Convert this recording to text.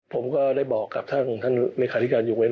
ผมก็ได้บอกกับท่านหลักขาดที่การยุคเม้น